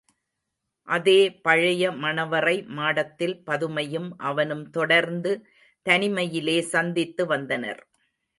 அதே பழைய மணவறை மாடத்தில் பதுமையும் அவனும் தொடர்ந்து தனிமையிலே சந்தித்து வந்தனர்.